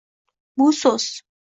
Bu so’z